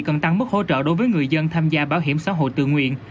cần tăng mức hỗ trợ đối với người dân tham gia bảo hiểm xã hội tự nguyện